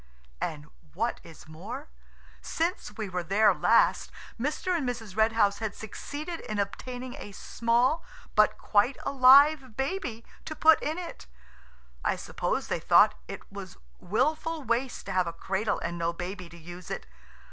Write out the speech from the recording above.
And what is more, since we were there last Mr. and Mrs. Red House had succeeded in obtaining a small but quite alive baby to put in it. I suppose they thought it was wilful waste to have a cradle and no baby to use it.